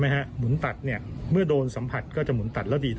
หมุนตัดเนี่ยเมื่อโดนสัมผัสก็จะหมุนตัดแล้วดีต่อ